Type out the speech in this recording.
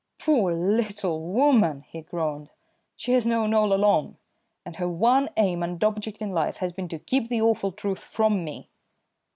"Poor little woman!" he groaned. "She has known all along, and her one aim and object in life has been to keep the awful truth from me.